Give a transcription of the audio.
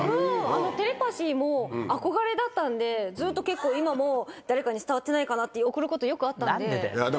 あのテレパシーも憧れだったんで、ずっと結構、今も、誰かに伝わってないかなって、なんでだよ。